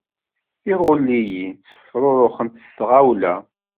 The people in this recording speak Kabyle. Tiɣuliyin ttefruruxent s tɣawla.